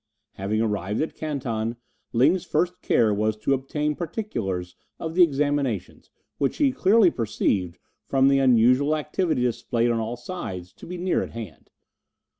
Having arrived at Canton, Ling's first care was to obtain particulars of the examinations, which he clearly perceived, from the unusual activity displayed on all sides, to be near at hand.